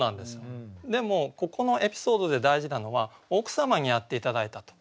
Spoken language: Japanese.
でもここのエピソードで大事なのは奥様にやって頂いたと。